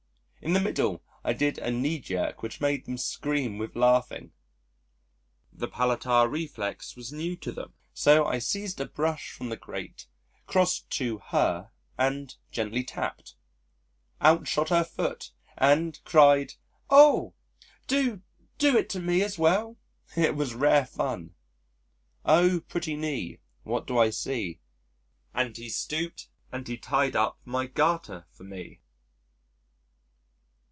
In the middle I did a knee jerk which made them scream with laughing the patellar reflex was new to them, so I seized a brush from the grate, crossed to Her and gently tapped: out shot her foot, and cried: "Oh, do do it to me as well." It was rare fun. "Oh! pretty knee, what do I see? And he stooped and he tied up my garter for me."